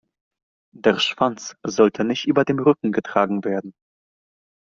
Der Schwanz sollte nicht über dem Rücken getragen werden.